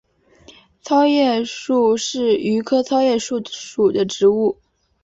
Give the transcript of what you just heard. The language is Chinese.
糙叶树是榆科糙叶树属的植物。